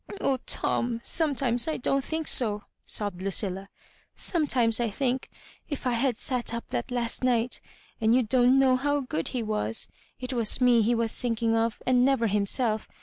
"Oh, Tom I sometimes I don't think so^" sobbed Ludlla; "sometimes I think if I had sat up that last night— —And you don't know how good he was. It was me he was * thinking of and never himself.